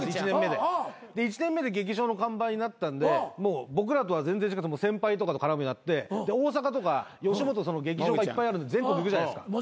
で１年目で劇場の看板になったんでもう僕らとは全然違って先輩とかと絡むようになって大阪とか吉本劇場がいっぱいあるので全国行くじゃないですか。